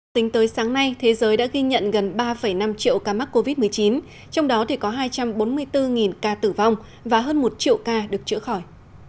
tính tới sáng nay thế giới đã ghi nhận gần ba năm triệu ca mắc covid một mươi chín trong đó có hai trăm bốn mươi bốn ca tử vong và hơn một triệu ca được chữa khỏi